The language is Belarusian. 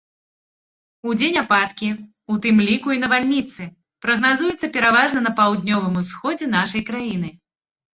Удзень ападкі, у тым ліку і навальніцы, прагназуюцца пераважна на паўднёвым усходзе нашай краіны.